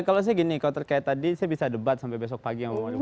kalau saya gini kalau terkait tadi saya bisa debat sampai besok pagi yang ngomongin